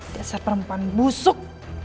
dasar perempuan busuk